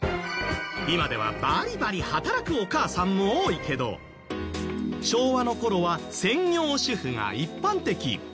今ではバリバリ働くお母さんも多いけど昭和の頃は専業主婦が一般的。